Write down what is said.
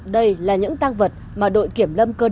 đây là những tăng vật mà đội kiểm lâm khánh hòa phát hiện